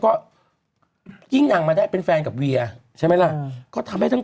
ก็ยิ่งนางมาได้เป็นแฟนกับเวียใช่ไหมล่ะก็ทำให้ทั้ง